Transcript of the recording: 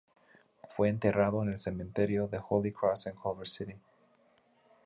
Fue enterrado en el Cementerio de Holy Cross en Culver City.